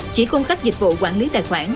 chỉ cung cấp dịch vụ quản lý tài khoản